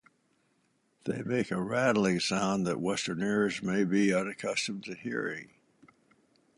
They make a rattling sound that western ears may be unaccustomed to hearing.